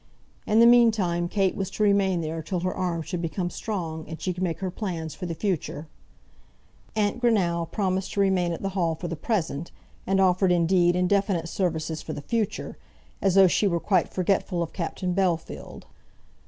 In the meantime Kate was to remain there till her arm should become strong, and she could make her plans for the future. Aunt Greenow promised to remain at the Hall for the present, and offered, indeed, indefinite services for the future, as though she were quite forgetful of Captain Bellfield.